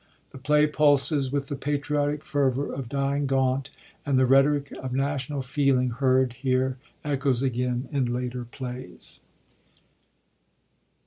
The play pulses with the patriotic fervor of dying Gaunt ; and the rhetoric of national feeling heard here echoes again in later plays.